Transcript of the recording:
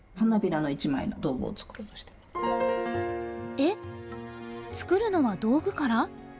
えっ作るのは道具から？